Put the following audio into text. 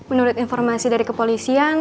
menurut informasi dari kepolisian